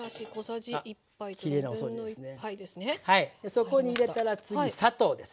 そこに入れたら次砂糖です。